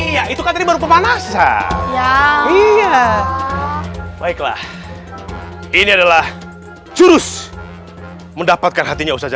ya itu kan terbaru pemanasan ya iya baiklah ini adalah jurus mendapatkan hatinya usaha